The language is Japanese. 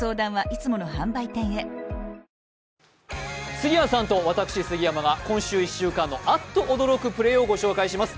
杉谷さんと私・杉山が今週１週間のあっと驚くプレーをご紹介します。